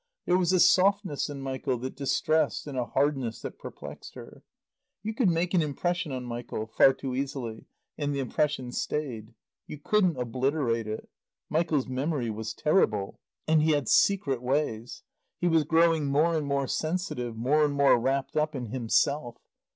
There was a softness in Michael that distressed and a hardness that perplexed her. You could make an impression on Michael far too easily and the impression stayed. You couldn't obliterate it. Michael's memory was terrible. And he had secret ways. He was growing more and more sensitive, more and more wrapped up in Himself.